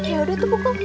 ya udah tuh pukul